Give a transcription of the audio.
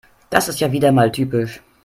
Das ist ja wieder mal typisch.